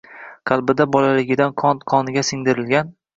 Qalbida bolaligidan qon-qoniga singdirilgan